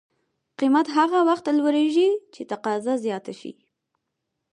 قیمت هغه وخت لوړېږي چې تقاضا زیاته شي.